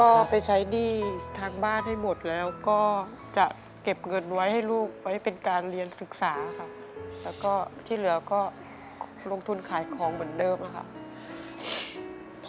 ก็ไปใช้หนี้ทางบ้านให้หมดแล้วก็จะเก็บเงินไว้ให้ลูกไว้เป็นการเรียนศึกษาค่ะแล้วก็ที่เหลือก็ลงทุนขายของเหมือนเดิมค่ะ